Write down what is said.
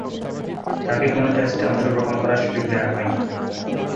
তাকে কোন টেস্টে অংশগ্রহণ করার সুযোগ দেয়া হয়নি।